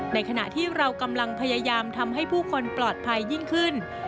ขณะที่เรากำลังพยายามทำให้ผู้คนปลอดภัยยิ่งขึ้น